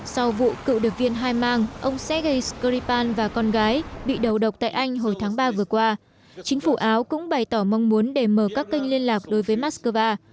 sau vụ cựu điệp viên hai mang ông sergei skripal và con gái bị đầu độc tại anh hồi tháng ba vừa qua chính phủ áo cũng bày tỏ mong muốn để mở các kênh liên lạc đối với moscow